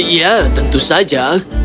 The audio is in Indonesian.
ya tentu saja